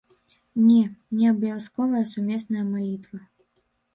Не, не абавязковая сумесная малітва.